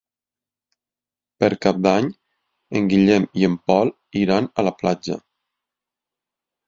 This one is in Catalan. Per Cap d'Any en Guillem i en Pol iran a la platja.